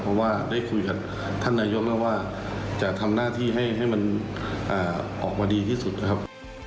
เพราะว่าได้คุยกับท่านนายกแล้วว่าจะทำหน้าที่ให้มันออกมาดีที่สุดนะครับ